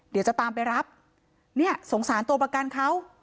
เดี๋ยวจะตามไปรับเนี่ยสงสารตัวประกันเขา